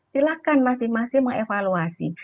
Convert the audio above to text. silahkan masing masing mengevaluasi